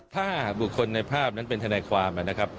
ถ้าบุคคลในภาพจะเป็นทนายความ